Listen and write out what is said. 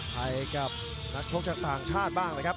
ให้กับนักชกจากต่างชาติบ้างนะครับ